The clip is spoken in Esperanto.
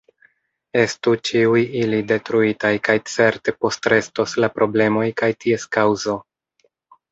Estu ĉiuj ili detruitaj, kaj certe postrestos la problemoj kaj ties kaŭzo.